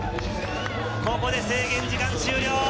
ここで制限時間終了。